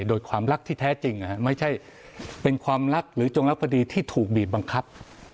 โดยความรักที่แท้จริงไม่ใช่เป็นความรักหรือจงรักคดีที่ถูกบีบบังคับ